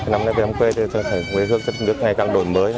năm nay về thăm quê thì thầy quê hương thật nhiều ngày càng đổi mới